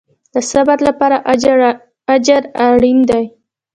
د صبر لپاره اجر اړین دی